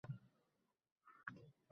Xalqqa bermagani hosildan ketsa